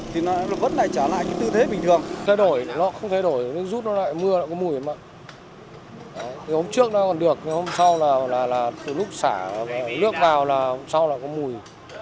thì nó vẫn này trở lại như tư thế bình thường thay đổi nó không thay đổi nước rút nó lại mưa nó có mùi mà từ hôm trước nó còn được hôm sau là từ lúc xả nước vào là hôm sau là có mùi